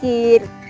kepala kepala kepala